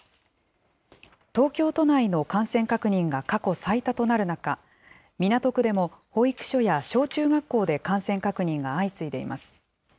東京都内の感染確認が過去最多となる中、港区でも保育所や小中学校で感染確認が相次いでいます。